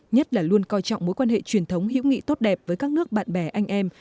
nhất là luôn coi trọng mối quan hệ truyền thống hữu nghị tốt đẹp với các nước bạn bè anh em